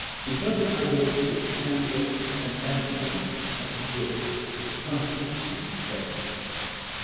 Interpret my words with candour, and answer me, I conjure you, with confidence and sincerity."